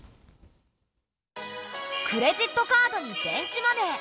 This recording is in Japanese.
クレジットカードに電子マネー。